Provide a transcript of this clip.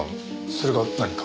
それが何か？